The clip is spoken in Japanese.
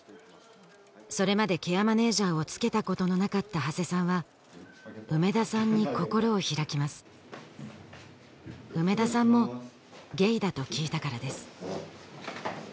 それまでケアマネージャーをつけたことのなかった長谷さんは梅田さんに心を開きます梅田さんもゲイだと聞いたからです